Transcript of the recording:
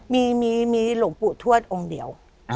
มีหลวงปู่ทวดองค์เดียว